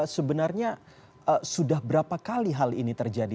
sebenarnya sudah berapa kali hal ini terjadi